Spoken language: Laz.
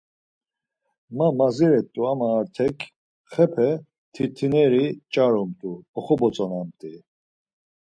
Va madziret̆u ama Artek, xepe tirtineri nç̌arumt̆u oxobotzonamt̆i.